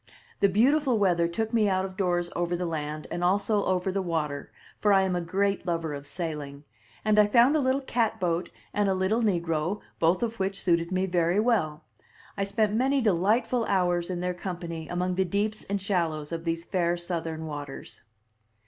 The beautiful weather took me out of doors over the land, and also over the water, for I am a great lover of sailing; and I found a little cat boat and a little negro, both of which suited me very well. I spent many delightful hours in their company among the deeps and shallows of these fair Southern waters.